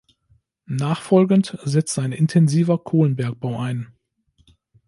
Nachfolgend setzte ein intensiver Kohlenbergbau ein.